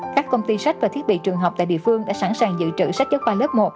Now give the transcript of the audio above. các công ty sách và thiết bị trường học tại địa phương đã sẵn sàng dự trữ sách giáo khoa lớp một